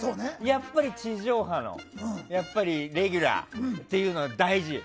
やっぱり、地上波のレギュラーっていうのは大事よ。